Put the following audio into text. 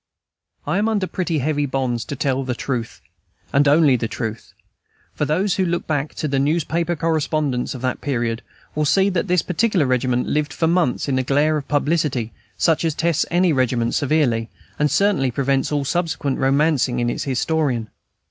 I am under pretty heavy bonds to tell the truth, and only the truth; for those who look back to the newspaper correspondence of that period will see that this particular regiment lived for months in a glare of publicity, such as tests any regiment severely, and certainly prevents all subsequent romancing in its historian.